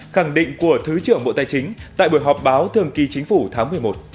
khẳng định của thứ trưởng bộ tài chính tại buổi họp báo thường kỳ chính phủ tháng một mươi một